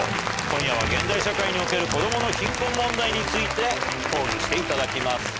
今夜は現代社会における子供の貧困問題について講義していただきます。